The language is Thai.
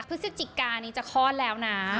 พฤศจิกานี้จะคลอดแล้วนะ